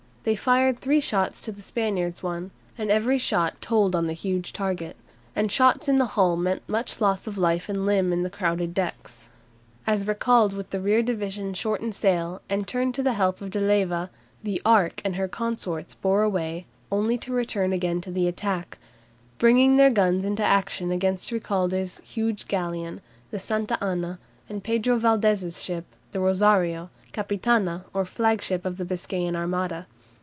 They fired three shots to the Spaniards' one, and every shot told on the huge target. And shots in the hull meant much loss of life and limb in the crowded decks. As Recalde with the rear division shortened sail, and turned to the help of De Leyva, the "Ark" and her consorts bore away, only to return again to the attack, bringing their guns into action against Recalde's huge galleon, the "Santa Ana," and Pedro Valdes's ship, the "Rosario," "Capitana," or flagship of the Biscayan armada.